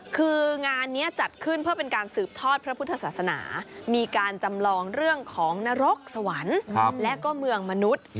คืองานนี้จัดขึ้นเพื่อเป็นการสืบทอดพระพุทธศาสนามีการจำลองเรื่องของนรกสวรรค์และก็เมืองมนุษย์